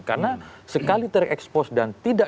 karena sekali terekspos dan tidak